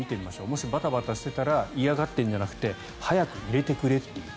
もしバタバタしてたら嫌がってるんじゃなくて早く入れてくれという。